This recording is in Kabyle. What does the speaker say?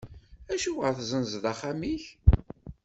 Acuɣer tezzenzeḍ axxam-ik?